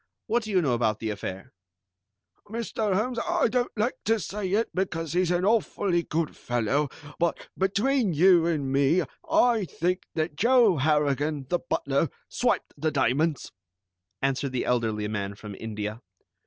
What do you know about the affair?" "Mr. Holmes, I don't like to say it, because he's an awfully good fellow, but between you and me, I think that Joe Harrigan, the butler, swiped the diamonds," answered the elderly man from India.